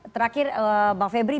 terakhir bang febri